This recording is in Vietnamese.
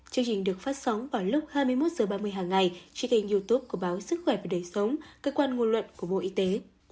chương trình được phát sóng vào lúc hai mươi một h ba mươi hàng ngày trên kênh youtube của báo sức khỏe và đời sống cơ quan ngôn luận của bộ y tế